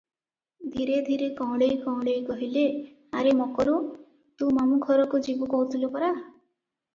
ଧୀରେ ଧୀରେ କଅଁଳେଇ କଅଁଳେଇ କହିଲେ, ଆରେ ମକରୁ! ତୁ ମାମୁଁ ଘରକୂ ଯିବୁ କହୁଥିଲୁ ପରା?